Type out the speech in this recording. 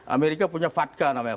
amerika punya fatca namanya